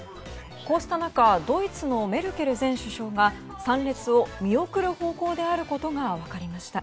こうした中ドイツのメルケル前首相が参列を見送る方向であることが分かりました。